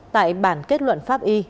tại bản kết luận pháp y